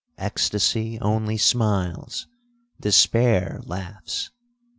Extacy only smiles,—despair laughs.